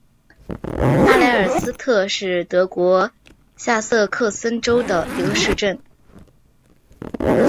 阿莱尔斯特是德国下萨克森州的一个市镇。